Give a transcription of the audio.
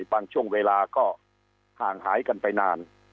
บางช่วงเวลาก็ห่างหายกันไปนาน